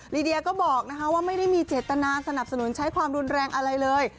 ลีเดียก็บอกว่าไม่ได้มีเจตนาสนับสนุนใช้ความรุนแรงอะไรเลย